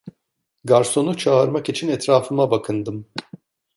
Garsonu çağırmak için etrafıma bakındım.